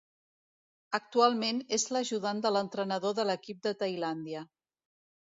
Actualment és l'ajudant de l'entrenador de l'equip de Tailàndia.